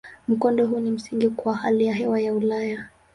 Mkondo huu ni msingi kwa hali ya hewa ya Ulaya.